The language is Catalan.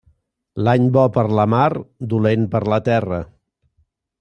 L'any bo per la mar, dolent per la terra.